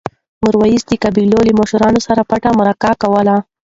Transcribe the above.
میرویس د قبایلو له مشرانو سره پټې مرکې کولې.